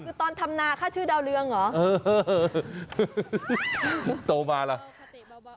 คือตอนทำนาค่าชื่อดาวเรืองเหรอโตมาล่ะ